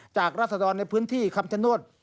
จากราศดรในพื้นที่คำชนวด